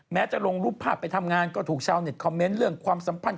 จะลงรูปภาพไปทำงานก็ถูกชาวเน็ตคอมเมนต์เรื่องความสัมพันธ